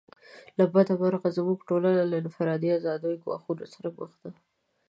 له بده مرغه زموږ ټولنه له انفرادي آزادیو ګواښونو سره مخ ده.